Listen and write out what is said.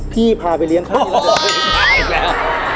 พี่พาไปเท่าที่เราคือ